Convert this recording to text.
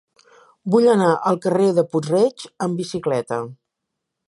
Vull anar al carrer de Puig-reig amb bicicleta.